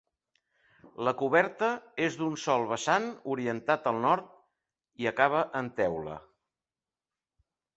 La coberta és d'un sol vessant orientat al nord i acaba en teula.